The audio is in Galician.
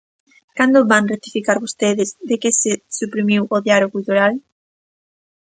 ¿Cando van rectificar vostedes de que se suprimiu o Diario Cultural?